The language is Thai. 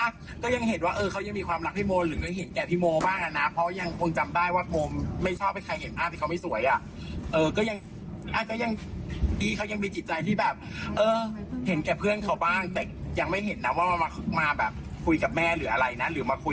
ภรร้าสุดคือเมื่อวานนี้พ่อเขาถามเบอร์แม่